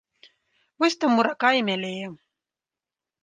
Вось таму рака і мялее.